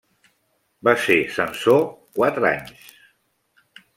Va ser censor quatre anys.